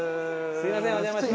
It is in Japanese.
すいませんお邪魔します。